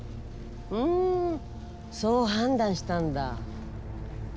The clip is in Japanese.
ふんそう判断したんだ。